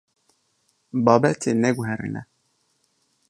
Babetê neguherîne.